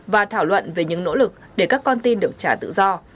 và thảo luận về những nỗ lực để các con tin được trả tự do